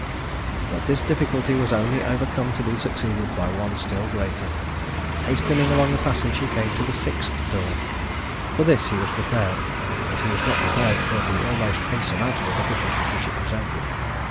"But this difficulty was only overcome to be succeeded by one still greater. Hastening along the passage, he came to the sixth door. For this he was prepared: but he was not prepared for the almost insurmountable difficulties which it presented.